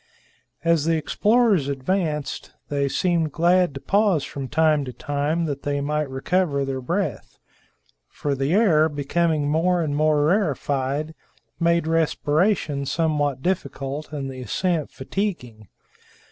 As the explorers advanced, they seemed glad to pause from time to time, that they might recover their breath; for the air, becoming more and more rarefied, made respiration somewhat difficult and the ascent fatiguing.